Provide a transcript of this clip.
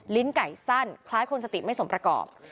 ไก่สั้นคล้ายคนสติไม่สมประกอบ